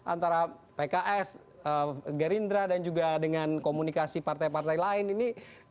antara pks gerindra dan juga dengan komunikasi partai partai lain ini